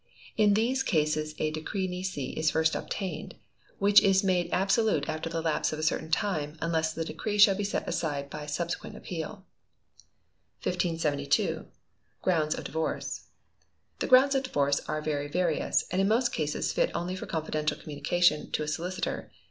In these cases a decree nisi is first obtained, which is made absolute after the lapse of a certain time, unless the decree should be set aside by subsequent appeal. 1572. Grounds of Divorce. The grounds of divorce are very various, and in most cases fit only for confidential communication to a solicitor.